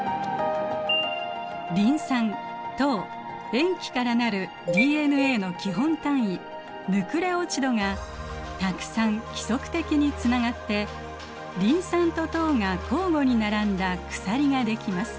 リン酸糖塩基からなるＤＮＡの基本単位ヌクレオチドがたくさん規則的につながってリン酸と糖が交互に並んだ鎖ができます。